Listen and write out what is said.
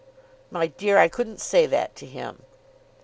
"My dear, I couldn't say that to him."